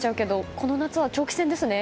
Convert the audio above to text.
この夏は長期戦ですね。